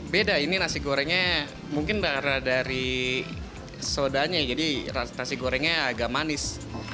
beda ini nasi gorengnya mungkin dari sodanya jadi nasi gorengnya agak manis